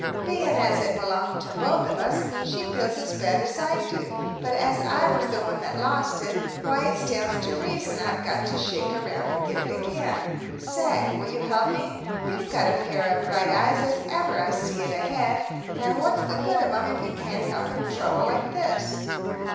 "Bein' as it belonged to both of us, she feels as bad as I do, but as I was the one that lost it, why it stands to reason I've got to shake around and get it again. Say, will you help me? You've got a pair of bright eyes as ever I see in a head; and what's the good of 'em if you can't help in trouble like this?"